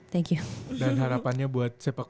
thank you dan harapannya buat sepak